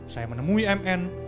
saya menemui mn